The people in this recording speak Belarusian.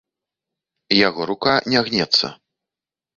Яго рука не гнецца.